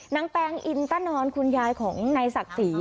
แปลงอินตะนอนคุณยายของนายศักดิ์ศรี